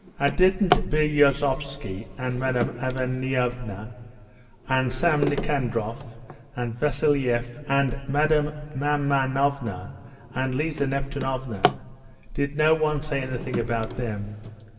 And didn't Biryuzovsky and Madame Avenieva ... and Sam Nikandrov, and Vassiliev and Madame Mamonova, and Liza Neptunova.... Did no one say anything about them?